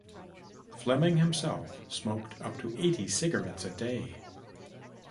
Fleming himself smoked up to eighty cigarettes a day.